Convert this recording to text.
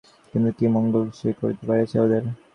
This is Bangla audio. কিন্তু কী মঙ্গল সে করিতে পারিয়াছে ওদের?